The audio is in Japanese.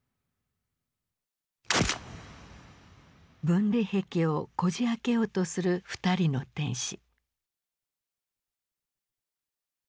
分離壁をこじ開けようとする２人の天使。